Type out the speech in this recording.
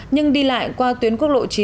nhưng đi lại qua tuyến quốc lộ chín